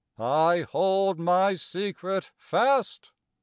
I hold my secret fast!